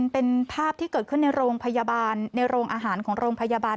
เป็นภาพที่เกิดขึ้นในโรงพยาบาลในโรงอาหารของโรงพยาบาล